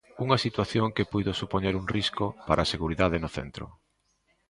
Unha situación que puido supoñer un risco para a seguridade no centro.